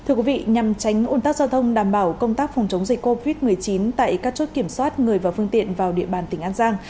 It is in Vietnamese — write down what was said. thưa quý vị nhằm tránh ôn tắc giao thông đảm bảo công tác phòng chống dịch covid một mươi chín tại các chốt kiểm soát người và phương tiện vào địa bàn tỉnh an giang